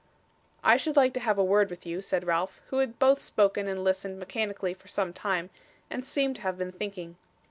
'I should like to have a word with you,' said Ralph, who had both spoken and listened mechanically for some time, and seemed to have been thinking.